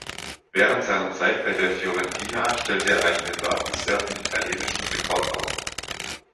Während seiner Zeit bei der Fiorentina stellte er einen bemerkenswerten italienischen Rekord auf.